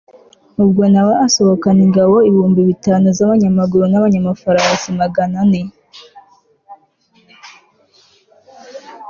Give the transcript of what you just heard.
ubwo na we asohokana ingabo ibihumbi bitanu z'abanyamaguru n'abanyamafarasi magana ane